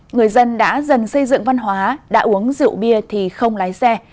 người dân đã dần xây dựng văn hóa đã uống rượu bia thì không lái xe